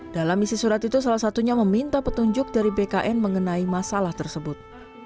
dalam isi surat itu salah satunya meminta petunjuk dari bkn mengenai masalah tersebut